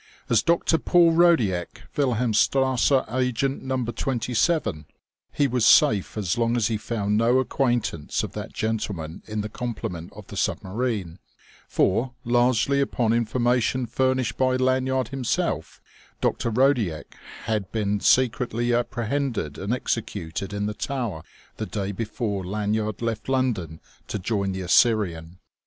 As Dr. Paul Rodiek, Wilhelmstrasse Agent Number 27, he was safe as long as he found no acquaintance of that gentleman in the complement of the submarine; for, largely upon information furnished by Lanyard himself, Dr. Rodiek had been secretly apprehended and executed in the Tower the day before Lanyard left London to join the Assyrian.